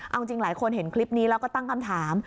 เอาจริงหลายคนเห็นคลิปนี้แล้วก็ตั้งคำถาม